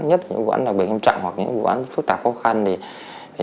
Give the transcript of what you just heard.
nhất những vụ án đặc biệt nghiêm trọng hoặc những vụ án phức tạp khó khăn thì